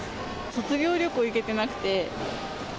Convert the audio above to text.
卒業旅行行けてなくて。